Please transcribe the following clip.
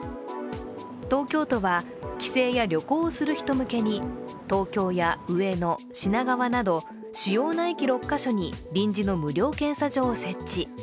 東京都は帰省や旅行をする人向けに東京や上野、品川など主要な駅６カ所に臨時の無料検査場を設置。